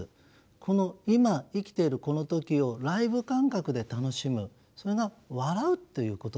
この今生きているこの時をライブ感覚で楽しむそれが笑うということなんですね。